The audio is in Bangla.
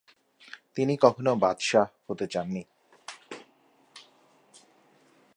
তিনি কখনো বাদশাহ হতে চাননি।